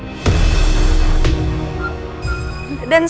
tidak ada yang bisa menganggap dia seperti andin